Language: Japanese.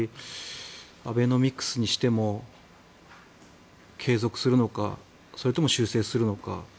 アベノミクスにしても継続するのかそれとも修正するのか。